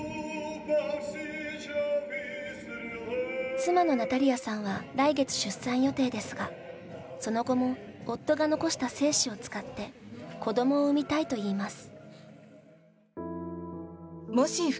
妻のナタリヤさんは来月出産予定ですがその後も夫が残した精子を使って子供を産みたいといいます。